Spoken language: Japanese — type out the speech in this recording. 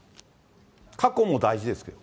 過去も大事ですよ。